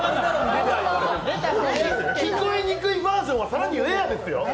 聞こえにくいバージョンはさらにレアですよ。